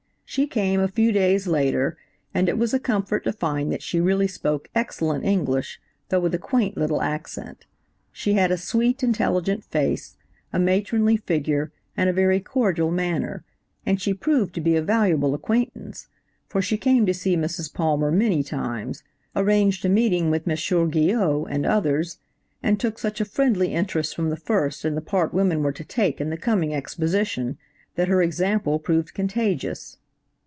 She came a few days later, and it was a comfort to find that she really spoke excellent English, though with a quaint little accent. She had a sweet, intelligent face, a matronly figure and a very cordial manner, and she proved to be a valuable acquaintance, for she came to see Mrs. Palmer many times, arranged a meeting with M. Guyot and others, and took such a friendly interest from the first in the part women were to take in the coming Exposition, that her example proved contagious.